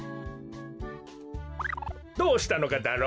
どうしたのかダロ？